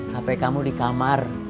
hape kamu di kamar